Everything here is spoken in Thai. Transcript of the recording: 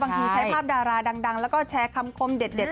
ใช้ภาพดาราดังแล้วก็แชร์คำคมเด็ด